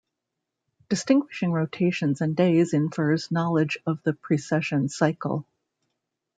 Distinguishing rotations and days infers knowledge of the precession cycle.